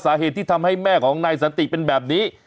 สาเหตุที่ทำให้แม่ของนายสันติเป็นแบบนี้